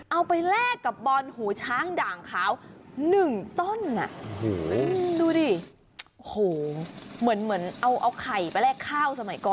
แลกกับบอนหูช้างด่างขาว๑ต้นดูดิโอ้โหเหมือนเอาไข่ไปแลกข้าวสมัยก่อน